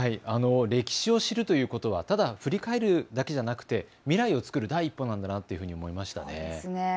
歴史を知るということは、ただ振り返るだけではなく未来を作る第一歩なんだなというふうに思いました。